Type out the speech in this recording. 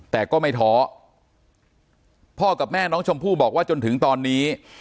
แต่ก็ไม่ท้อพ่อกับแม่น้องชมพู่บอกว่าจนถึงตอนนี้